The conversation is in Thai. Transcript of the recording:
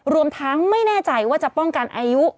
รวมทั้งไม่แน่ใจว่าจะป้องกันอายุ